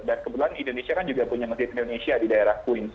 dan kebetulan indonesia kan juga punya masjid indonesia di daerah queens